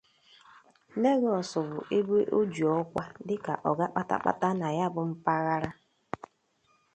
Lagos' bụ ebe o ji ọkwa dịka ọga kpatakpata na ya bụ mpaghara.